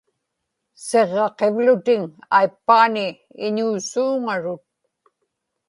siġġaqivlutiŋ aippaani iñuusuuŋarut